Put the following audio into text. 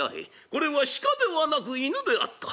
これは鹿ではなく犬であった。